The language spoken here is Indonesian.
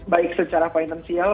baik secara finansial